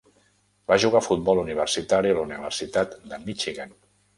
Va jugar a futbol universitari a la Universitat de Michigan.